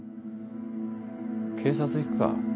警察行くか？